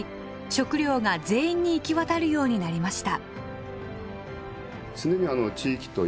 食料が全員に行き渡るようになりました。